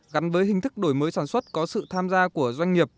gắn với hình thức đổi mới sản xuất có sự tham gia của doanh nghiệp